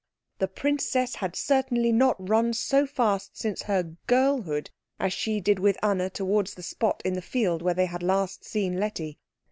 The princess had certainly not run so fast since her girlhood as she did with Anna towards the spot in the field where they had last seen Letty.